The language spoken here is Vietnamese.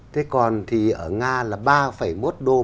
thế còn thì ở nga là ba một đô một năm